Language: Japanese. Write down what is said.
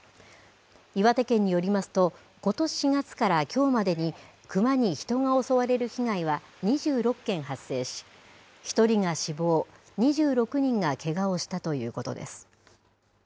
岩手県によりますと、ことし４月からきょうまでに、クマに人が襲われる被害は２６件発生し、１人が死亡、２６人がけがをしたということです。